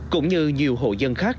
cũng như nhiều hội dân khác